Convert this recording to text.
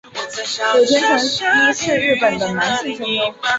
柳田淳一是日本的男性声优。